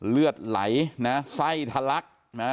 เลือดไหลไส้ทะลัก